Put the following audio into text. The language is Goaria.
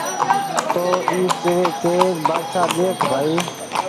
تو او ڪيوي ڪي بآڇآ ۮيک ڀآئي